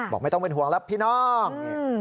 ไม่ต้องเป็นห่วงแล้วพี่น้อง